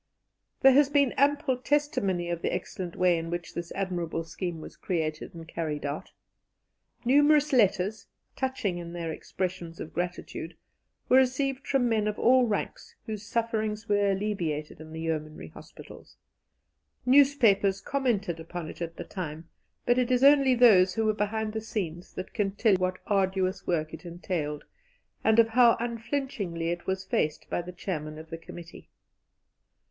There has been ample testimony of the excellent way in which this admirable scheme was created and carried out. Numerous letters, touching in their expressions of gratitude, were received from men of all ranks whose sufferings were alleviated in the Yeomanry Hospitals; newspapers commented upon it at the time, but it is only those who were behind the scenes that can tell what arduous work it entailed, and of how unflinchingly it was faced by the chairman of the committee.